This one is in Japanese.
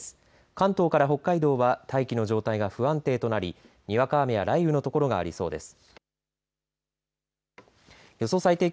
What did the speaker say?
関東から北海道は大気の状態が不安定となりにわか雨や雷雨の所がありそうです。